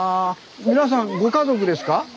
皆さんご家族ですか？